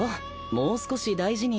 もう少し大事に。